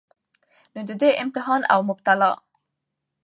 نو د ده امتحان او مبتلاء